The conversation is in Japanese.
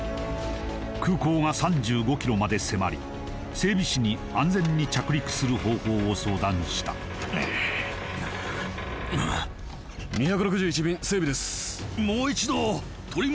空港が３５ｋｍまで迫り整備士に安全に着陸する方法を相談した２６１便整備ですえっ？